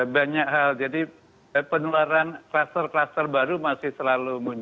banyak hal jadi penularan kluster kluster baru masih selalu muncul